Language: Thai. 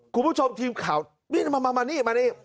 คุณผู้ชมทีมข่าวนี่มานี่มานี่